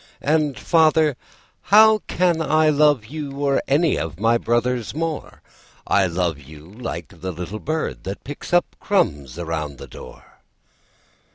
'And, father, how can I love you Or any of my brothers more? I love you like the little bird That picks up crumbs around the door.